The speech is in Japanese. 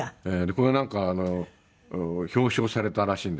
これなんか表彰されたらしいんですけど。